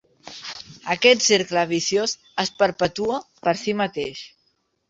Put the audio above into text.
Aquest cercle viciós es perpetua per si mateix.